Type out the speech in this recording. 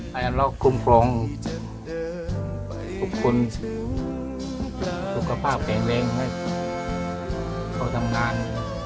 ให้ครั้งแล้วคุ้มครองทุกคนรุกภาพเก่งเร็งให้เขาทำงาน